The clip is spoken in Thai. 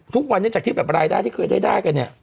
ทุกวันนี้จากที่แบบรายได้ที่เคยได้กันเนี่ย